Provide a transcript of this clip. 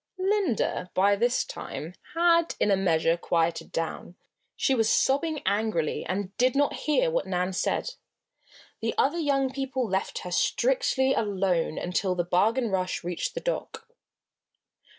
Linda, by this time, had, in a measure, quieted down. She was sobbing angrily and did not hear what Nan said. The other young people left her strictly alone until the Bargain Rush reached the dock.